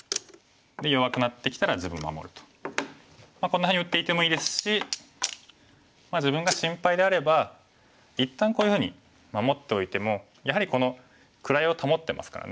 こんなふうに打っていてもいいですし自分が心配であれば一旦こういうふうに守っておいてもやはりこの位を保ってますからね。